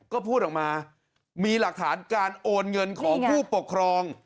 ก็พูดออกมามีหลักฐานการโอนเงินของผู้ปกครอง